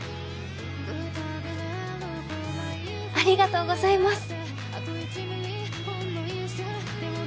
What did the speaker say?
「ありがとうございます！」。